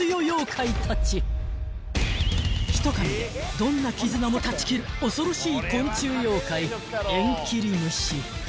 ［ひとかみでどんな絆も断ち切る恐ろしい昆虫妖怪］